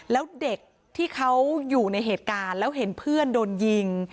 แล้วเด็กที่เขาอยู่ในเหตุการณ์แล้วเห็นเพื่อนโดนยิง